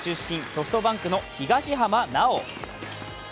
ソフトバンクの東浜巨。